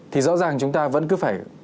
thì rõ ràng chúng ta vẫn cứ phải